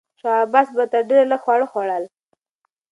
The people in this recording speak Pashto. شاه عباس به ډېر لږ خواړه خوړل.